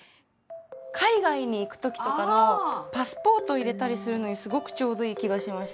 海外に行く時とかのパスポート入れたりするのにすごくちょうどいい気がしました。